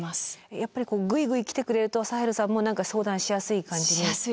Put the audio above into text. やっぱりグイグイ来てくれるとサヘルさんも何か相談しやすい感じに。